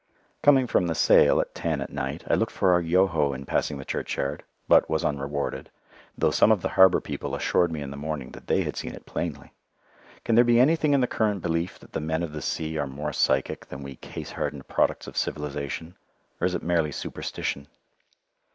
Coming from the sale at ten at night I looked for our "Yoho" in passing the churchyard, but was unrewarded, though some of the harbour people assured me in the morning that they had seen it plainly. Can there be anything in the current belief that the men of the sea are more psychic than we case hardened products of civilization, or is it merely superstition?